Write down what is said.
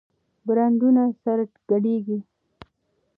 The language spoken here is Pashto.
برانډونه سره ګډېږي.